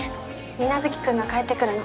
皆月君が帰ってくるの。